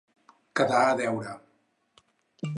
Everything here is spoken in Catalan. Quedar a deure.